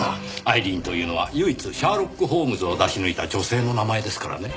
アイリーンというのは唯一シャーロック・ホームズを出し抜いた女性の名前ですからね。